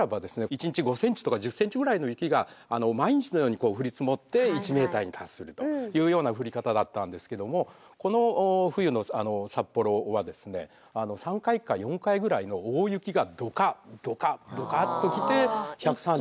一日５ｃｍとか１０ｃｍぐらいの雪が毎日のように降り積もって１ｍに達するというような降り方だったんですけどもこの冬の札幌はですね３回か４回ぐらいの大雪がどかっどかっどかっと来て１３３ｃｍになったというですね